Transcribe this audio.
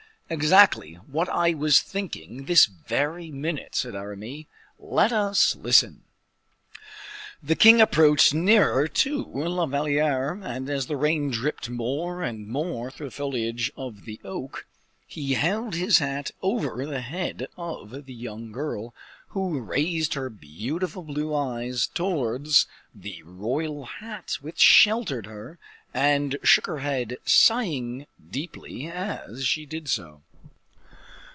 "Exactly what I was thinking this very minute," said Aramis. "Let us listen." The king approached nearer to La Valliere, and as the rain dripped more and more through the foliage of the oak, he held his hat over the head of the young girl, who raised her beautiful blue eyes towards the royal hat which sheltered her, and shook her head, sighing deeply as she did so.